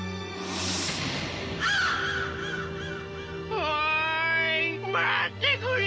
おおい待ってくれ！